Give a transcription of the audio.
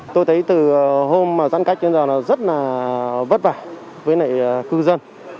tôi thấy từ hôm giãn cách đến giờ là rất là vất vả với nại cư dân